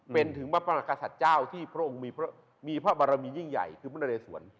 เป็นถึงพระประกษัตริย์เจ้าที่พระองค์มีพระบารมียิ่งใหญ่คือพระนเรสวน